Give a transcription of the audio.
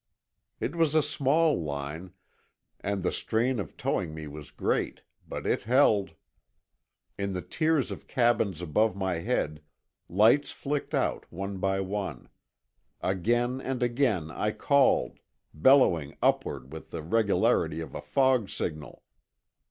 It was a small line, and the strain of towing me was great, but it held. In the tiers of cabins above my head lights flicked out one by one. Again and again I called, bellowing upward with the regularity of a fog signal.